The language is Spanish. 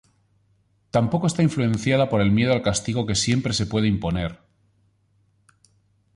Tampoco está influenciada por el miedo al castigo que siempre se puede imponer.